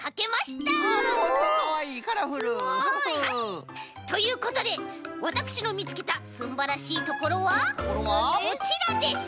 はい！ということでわたくしのみつけたすんばらしいところはこちらです！